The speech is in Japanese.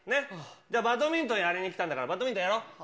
じゃあ、バドミントンやりに来たんだから、バドミントンやろう。